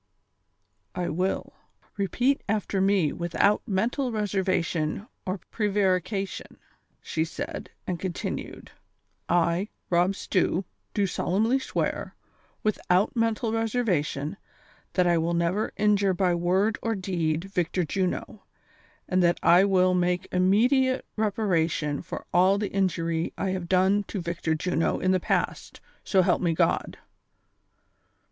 " I will. Repeat after me without mental reservation or prevarication, "she said ; and continued, "1, Rob Stew, do solemnly swear, without mental reservation, that I will never injure by word or deed Victor Juno, and that I will make immediate reparation for all the injury I have done to Victor Juno in the past, so help me God."